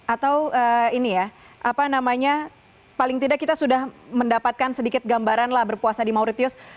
atau ini ya apa namanya paling tidak kita sudah mendapatkan sedikit gambaran lah berpuasa di mauritius